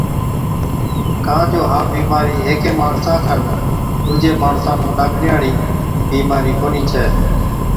ڪان جو ها بِيمارِي هيڪي ماڻسا کن ڏُوجي ماڻسا نُون لاگڻي هاڙِي بِيمارِي ڪونهِي ڇَي۔